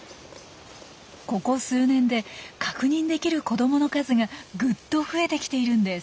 ここ数年で確認できる子どもの数がぐっと増えてきているんです。